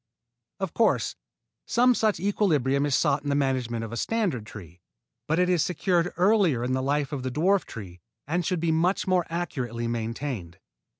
Of course, some such equilibrium is sought in the management of a standard tree; but it is secured earlier in the life of the dwarf tree and should be much more accurately maintained.